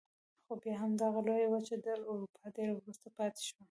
خو بیا هم دغه لویه وچه تر اروپا ډېره وروسته پاتې شوه.